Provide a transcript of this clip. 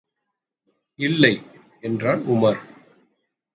இல்லை. என்றான் உமார்.